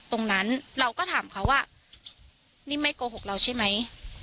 ตรงนั้นเราก็ถามเขาว่านี่ไม่โกหกเราใช่ไหม